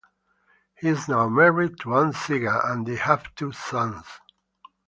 He is now married to Ann Sega and they have two sons.